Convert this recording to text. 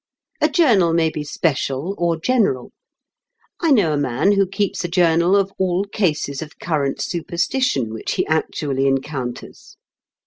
A journal may be special or general. I know a man who keeps a journal of all cases of current superstition which he actually encounters.